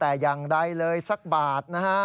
แต่ยังใดเลย๑บาท